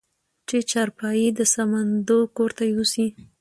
چې چارپايي د صمدو کورته يوسې؟